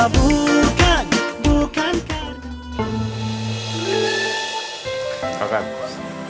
bukan bukan karena